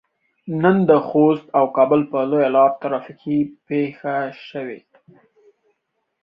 نن د خوست او کابل په لويه لار ترافيکي پېښه شوي.